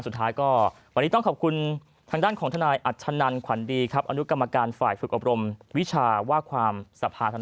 สุดท้ายก็วันนี้ต้องขอบคุณทางด้านของทนายอัชนันขวัญดีครับอนุกรรมการฝ่ายฝึกอบรมวิชาว่าความสภาธนา